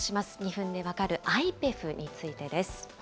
２分でわかる、ＩＰＥＦについてです。